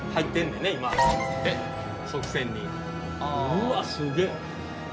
うわすげえ。